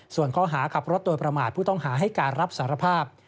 ส่วนข้อหาขับรถโดยประมาทผู้ต้องหาให้การรับสารภาพ